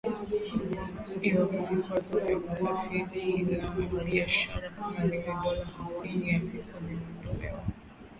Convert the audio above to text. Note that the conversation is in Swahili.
Iwapo vikwazo vya kusafiri na biashara kama vile dola hamsini ya visa vimeondolewa.